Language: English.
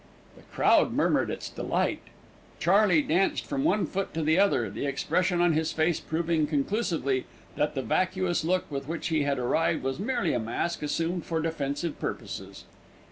The crowd murmured its delight. Charley danced from one foot to the other, the expression on his face proving conclusively that the vacuous look with which he had arrived was merely a mask assumed for defensive purposes.